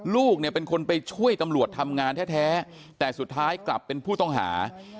ลูกเนี่ยเป็นคนไปช่วยตำรวจทำงานแท้แต่สุดท้ายกลับเป็นผู้ต้องหา